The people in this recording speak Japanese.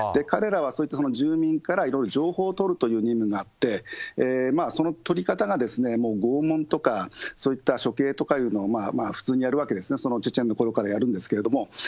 彼らはそういった住民からいろいろ情報を取るという任務があって、その取り方がもう拷問とか、そういった処刑とかいうのを普通にやるわけですね、そのチェチェンのころからやるんですけど。